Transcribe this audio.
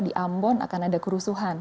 di ambon akan ada kerusuhan